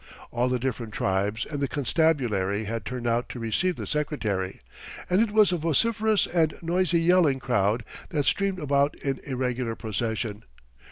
All the different tribes and the constabulary had turned out to receive the Secretary, and it was a vociferous and noisy yelling crowd that streamed about in irregular procession.